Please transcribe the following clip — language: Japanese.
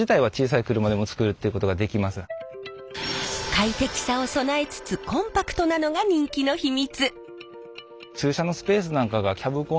快適さを備えつつコンパクトなのが人気の秘密！